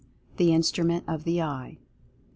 The Instrument of the Eye; 3.